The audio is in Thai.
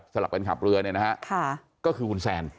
ลับกันขับเรือเนี่ยนะฮะก็คือคุณแซน